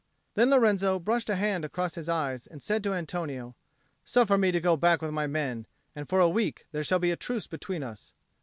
Then Lorenzo brushed a hand across his eyes and said to Antonio, "Suffer me to go back with my men, and for a week there shall be a truce between us."